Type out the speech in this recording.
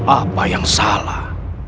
apa yang salah